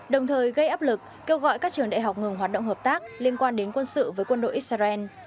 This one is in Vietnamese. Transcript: đồng thời gây áp lực kêu gọi các trường đại học ngừng hoạt động hợp tác liên quan đến quân sự với quân đội israel